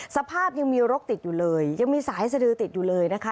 สภาพยังมีรกติดอยู่เลยยังมีสายสดือติดอยู่เลยนะคะ